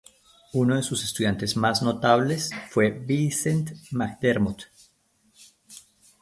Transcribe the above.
Uno de sus estudiantes más notable fue Vicent McDermott.